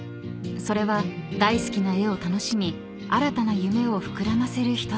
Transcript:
［それは大好きな絵を楽しみ新たな夢を膨らませるひととき］